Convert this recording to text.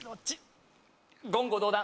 言語道断。